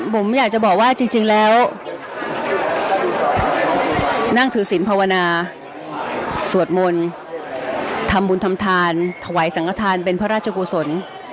ผมอยากจะบอกว่าจริงแล้วนั่งถือศิลปภาวนาสวดมนต์ทำบุญทำทานถวายสังขทานเป็นพระราชกุศล